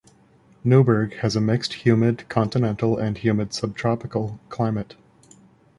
Newburg has a mixed humid continental and humid subtropical climate.